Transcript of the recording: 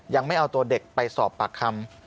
ยังไม่เอาตัวเด็กไปสอบปากคำ